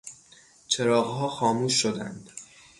چراغها خاموش شدند.